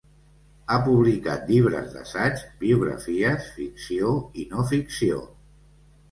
Ha publicat llibres d'assaig, biografies, ficció i no ficció.